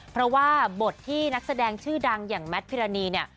เพราะว่าบทที่นักแสดงชื่อดังอย่างแมทพิรณีเนี่ย